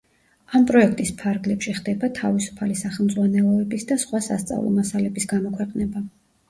ამ პროექტის ფარგლებში ხდება თავისუფალი სახელმძღვანელოების და სხვა სასწავლო მასალების გამოქვეყნება.